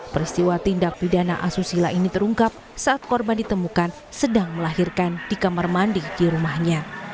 peristiwa tindak pidana asusila ini terungkap saat korban ditemukan sedang melahirkan di kamar mandi di rumahnya